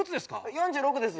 ４６です。